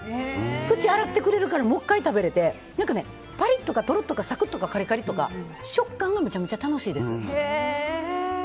口洗ってくれるからもう１回食べられてパリッとかとろっとかサクッとかカリカリとか食感はめちゃめちゃ楽しいです。